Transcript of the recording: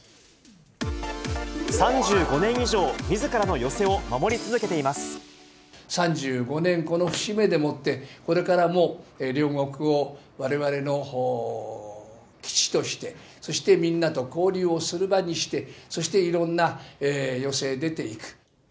３５年以上みずからの寄席を３５年、この節目でもって、これからも両国をわれわれの基地として、そしてみんなと交流をする場にして、そしていろんな寄席へ出ていく。